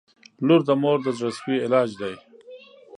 • لور د مور د زړسوي علاج دی.